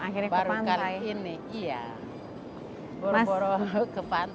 aja kali ini iya baru ke pantai bajak one dua akan kagak alhamdulillah bs ave ngaron quatre panti